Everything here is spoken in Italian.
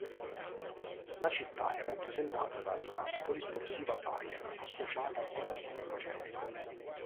La città è rappresentata dalla polisportiva Bayer, associata al colosso farmaceutico.